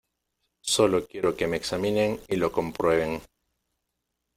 solo quiero que me examinen y lo comprueben.